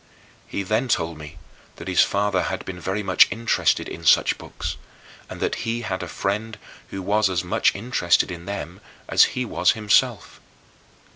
He then told me that his father had been very much interested in such books, and that he had a friend who was as much interested in them as he was himself.